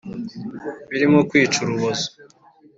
birimo kwica urubozo”